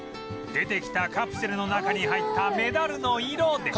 出てきたカプセルの中に入ったメダルの色で